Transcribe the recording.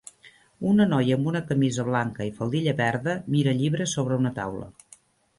Una noia amb una camisa blanca i faldilla verda mira llibres sobre una taula.